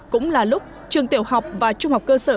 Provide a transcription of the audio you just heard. cũng là lúc trường tiểu học và trung học cơ sở